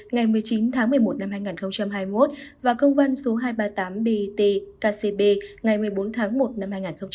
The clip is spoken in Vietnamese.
ngày một mươi chín tháng một mươi một năm hai nghìn hai mươi một và công văn số hai trăm ba mươi tám bt kcb ngày một mươi bốn tháng một năm hai nghìn hai mươi